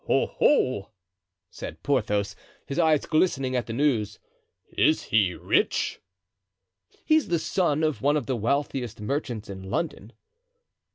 "Oho!" said Porthos, his eyes glistening at the news. "Is he rich?" "He's the son of one of the wealthiest merchants in London."